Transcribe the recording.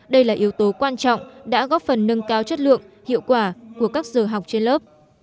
đây là yếu tố quan trọng đã góp phần nâng cao chất lượng hiệu quả của các giờ học trên lớp